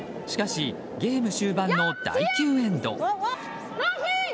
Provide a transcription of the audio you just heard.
しかしゲーム終盤の第９エンド。